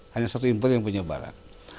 hanya satu impor yang punya barang